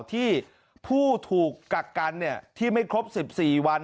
ที่ผู้ถูกกักกันที่ไม่ครบ๑๔วัน